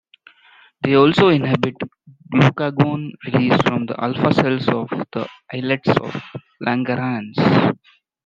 They also inhibit glucagon release from the alpha cells of the islets of Langerhans.